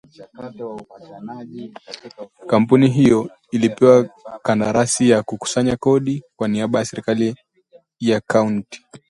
Kampuni hiyo ilipewa kandarasi ya kukusanya kodi kwa niaba ya serikali ya kaunti